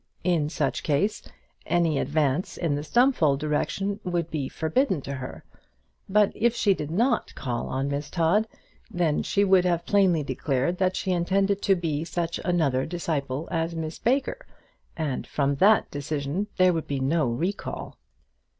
In such case any advance in the Stumfold direction would be forbidden to her. But if she did not call on Miss Todd, then she would have plainly declared that she intended to be such another disciple as Miss Baker, and from that decision there would be no recall.